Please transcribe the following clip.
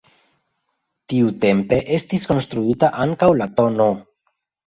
Tiutempe estis konstruita ankaŭ la tn.